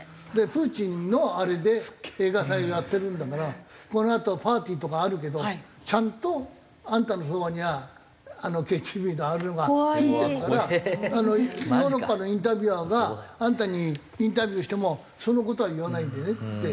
プーチンのあれで映画祭をやってるんだからこのあとパーティーとかあるけどちゃんとあんたのそばにはＫＧＢのああいうのが付いてるからヨーロッパのインタビュアーがあんたにインタビューしてもその事は言わないでねって。